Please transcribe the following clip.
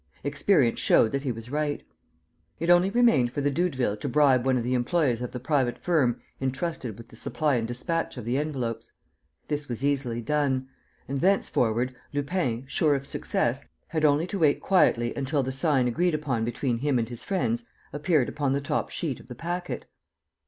Experience showed that he was right. It only remained for the Doudevilles to bribe one of the employees of the private firm entrusted with the supply and dispatch of the envelopes. This was easily done; and, thenceforward, Lupin, sure of success, had only to wait quietly until the sign agreed upon between him and his friends appeared upon the top sheet of the packet.